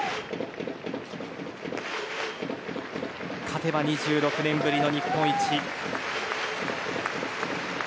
勝てば２６年ぶりの日本一。